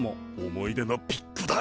思い出のピックだ！